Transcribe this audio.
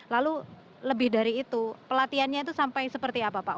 lalu lebih dari itu pelatihannya itu sampai seperti apa pak